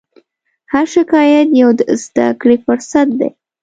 هر شکایت یو د زدهکړې فرصت دی.